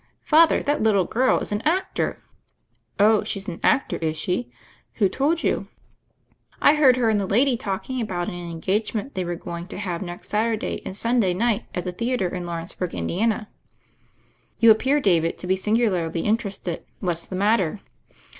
Father, that little girl is an actor!" "Oh, she's an actor, is she? Who told you?" "I heard her and the lady talking about an engagement they were going to have next Sat urday and Sunday night at the theatre in Law renceburgh, Indiana.' "You appear, David, to be singularly inter ested. What's the matter?"